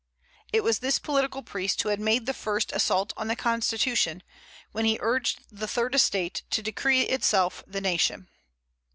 It was this political priest who had made the first assault on the constitution, when he urged the Third Estate to decree itself the nation.